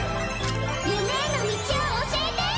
夢への道を教えて！